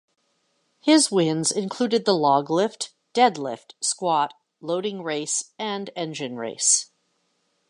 His wins included the log lift, deadlift, squat, loading race and engine race.